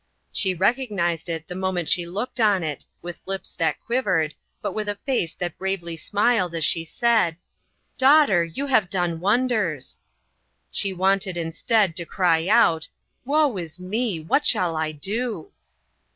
She recognized it the mo ment she looked on it, with lips that quivered, but with a face that bravely smiled as she said: "Daughter, you have done wonders." She wanted, instead, to cry out :" Woe is me! What shall I do?"